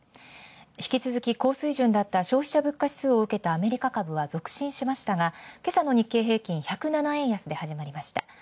引き続き高水準だった消費者物価指数を受けたアメリカ株は続伸しましたが、今朝の日経平均株価、１０７円安で始まりました。